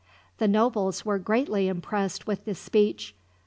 The nobles were greatly impressed with this speech.